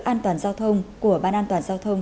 an toàn giao thông của ban an toàn giao thông